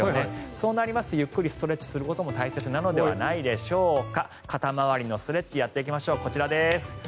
そうなるとゆっくりストレッチするのも大切なのではないでしょうか。